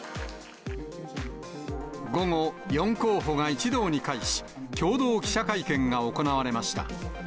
午後、４候補が一堂に会し、共同記者会見が行われました。